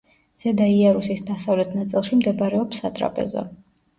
ზედა იარუსის დასავლეთ ნაწილში მდებარეობს სატრაპეზო.